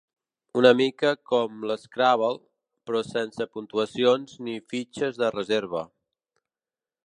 Una mica com l'Scrabble, però sense puntuacions ni fitxes de reserva.